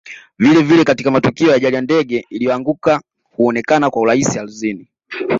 Vile vile katika matukio ya ajali ndege iliyoanguka huonekana kwa urahisi ardhini